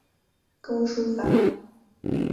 工书法。